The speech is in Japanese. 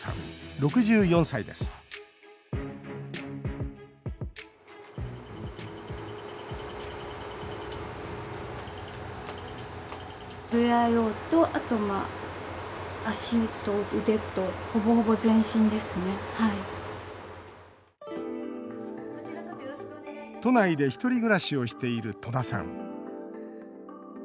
６４歳です都内で１人暮らしをしている戸田さん。